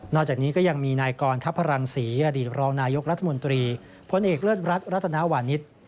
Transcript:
นอกจากนี้ก็ยังมีนายกรทัพพระรังศรีอดีตรวรรณายกรัฐมนตรีพ้นเอกเลือดรัฐรัฐนาวาณิชย์